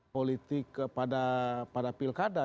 politik pada pilkada